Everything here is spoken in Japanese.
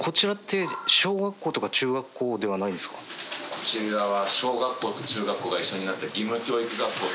こちらは。